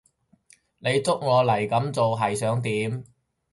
你捉我嚟噉做係想點？